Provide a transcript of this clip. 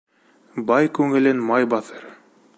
Бай күңелен май баҫыр.